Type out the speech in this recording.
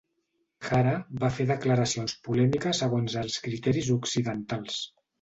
Hara va fer declaracions polèmiques segons els criteris occidentals.